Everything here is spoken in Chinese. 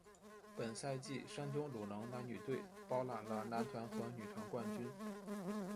本赛季山东鲁能男女队包揽了男团和女团冠军。